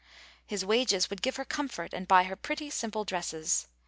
His wages would give her comfort and buy her pretty simple dresses.